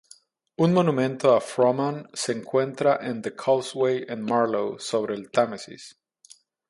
Un monumento a Frohman se encuentra en The Causeway en Marlow sobre el Támesis.